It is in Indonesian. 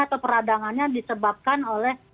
atau peradangannya disebabkan oleh